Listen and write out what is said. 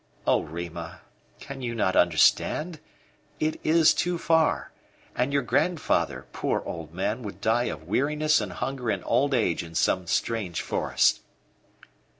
"O Rima, can you not understand? It is too far. And your grandfather, poor old man, would die of weariness and hunger and old age in some strange forest."